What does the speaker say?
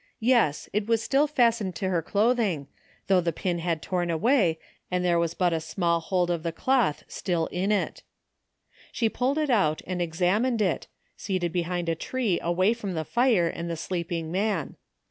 Yes, it was still fastened to her clothing, though the pin had torn away and there was but a small hold of the cloth still in it She pulled it out and examined it, seated behind a tree away from the fire and the sleeping man.